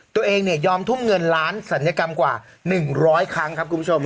ตัวเองยอมทุ่มเงินล้านศัลยกรรมกว่า๑๐๐ครั้งครับคุณผู้ชม